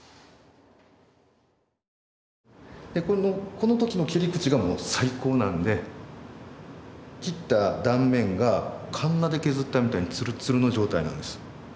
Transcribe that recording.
この時の切り口がもう最高なんで切った断面がカンナで削ったみたいにツルツルの状態なんです。